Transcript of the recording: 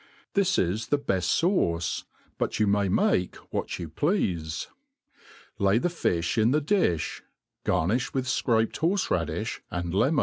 This is the bcft fauce ; but you may make what you pleafe. Lay the fiih in the diih. Garniih wi^h fcraped horfe raddi(h and le mon.